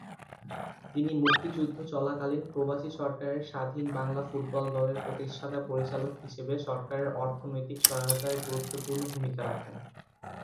তিনি মুক্তিযুদ্ধ চলাকালীন প্রবাসী সরকারের স্বাধীন বাংলা ফুটবল দলের প্রতিষ্ঠাতা পরিচালক হিসেবে সরকারের অর্থনৈতিক সহায়তায় গুরুত্বপূর্ণ ভূমিকা রাখেন।